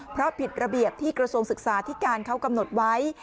เพราะผิดระเบียบที่กระทรวงศึกษาที่การเขากำหนดไว้